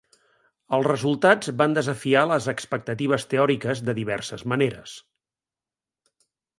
Els resultats van desafiar les expectatives teòriques de diverses maneres.